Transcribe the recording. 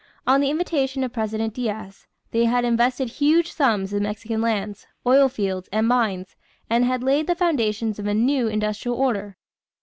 On the invitation of President Diaz, they had invested huge sums in Mexican lands, oil fields, and mines, and had laid the foundations of a new industrial order.